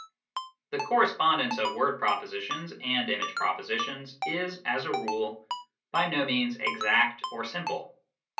The correspondence of word propositions and image propo sitions is, as a rule, by no means exact or simple.